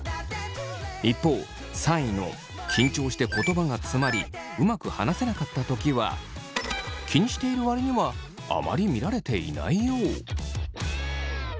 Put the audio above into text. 一方３位の緊張して言葉がつまりうまく話せなかったときは気にしている割にはあまり見られていないよう。